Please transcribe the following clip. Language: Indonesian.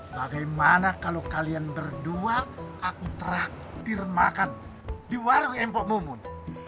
bagaimana kalau kalian berdua aku traktir makan di warung empok momun